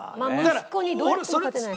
息子にどうやっても勝てない。